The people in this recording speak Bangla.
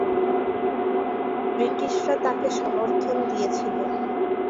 ব্রিটিশরা তাকে সমর্থন দিয়েছিল।